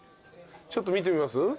ちょっと見てみます？